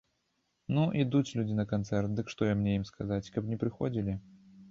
Ну, ідуць людзі на канцэрт, дык што мне ім сказаць, каб не прыходзілі?